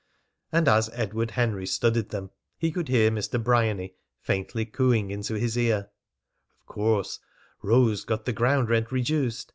And as Edward Henry studied them he could hear Mr. Bryany faintly cooing into his ear: "Of course Rose got the ground rent reduced.